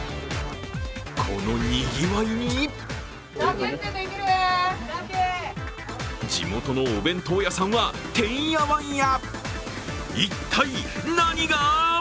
このにぎわいに地元のお弁当屋さんはてんやわんや。